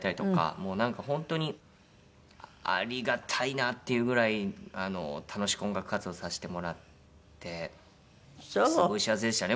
もうなんか本当にありがたいなっていうぐらい楽しく音楽活動させてもらってすごい幸せでしたね。